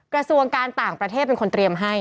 กระทรวงการต่างประเทศเป็นคนเตรียมให้